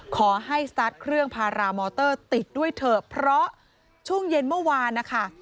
ขอให้สตาร์ทเครื่องพารามอเตอร์ติดด้วยเถอะเพราะช่วงเย็นเมื่อวานนะคะ